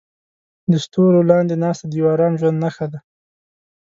د ستورو لاندې ناسته د یو ارام ژوند نښه ده.